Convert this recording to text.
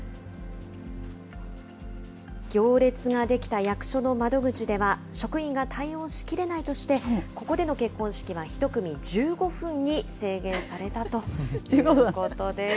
行列が出来た役所の窓口では、職員が対応しきれないとして、ここでの結婚式は１組１５分に制限されたということです。